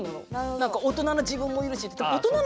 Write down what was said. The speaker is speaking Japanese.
何か大人な自分もいるし。